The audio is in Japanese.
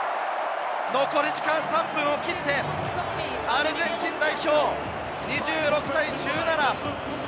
残り時間３分を切って、アルゼンチン代表、２６対１７。